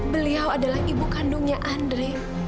beliau adalah ibu kandungnya andre